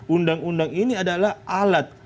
undang undang ini adalah alat